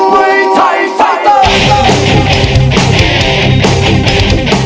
มวยไทยไฟเตอร์